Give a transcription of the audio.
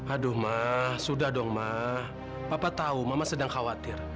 aduh mah sudah dong mah papa tahu mama sedang khawatir